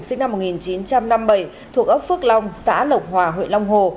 sinh năm một nghìn chín trăm năm mươi bảy thuộc ấp phước long xã lộc hòa huyện long hồ